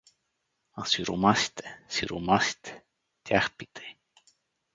А сиромасите, сиромасите, тях питай.